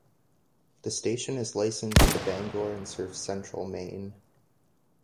The station is licensed to Bangor and serves Central Maine.